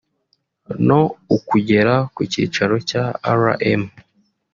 no ukugera ku cyicaro cya R M